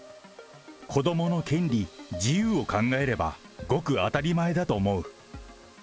子どもの権利、自由を考えれば、ごく当たり前だと思う。